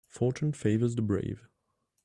Fortune favours the brave.